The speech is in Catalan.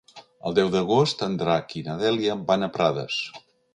El deu d'agost en Drac i na Dèlia van a Prades.